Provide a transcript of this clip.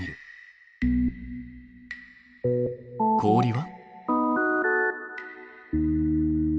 氷は？